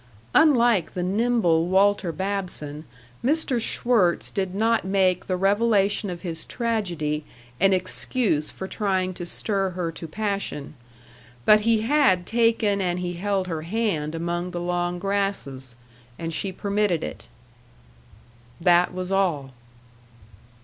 Unlike the nimble Walter Babson, Mr. Schwirtz did not make the revelation of his tragedy an excuse for trying to stir her to passion. But he had taken and he held her hand among the long grasses, and she permitted it. That was all.